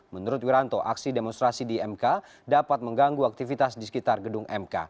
menurut wiranto aksi demonstrasi di mk dapat mengganggu aktivitas di sekitar gedung mk